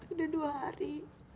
udah dua hari